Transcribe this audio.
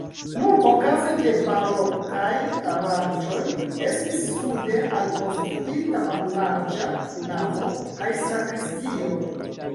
Nur okaze de barokaj aranĝoj estis sude alkonstruita mallarĝa navo kaj sakristio.